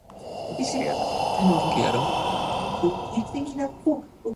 "Coil" is no longer used as a synonym for "disturbance".